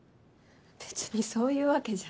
別にそういうわけじゃ。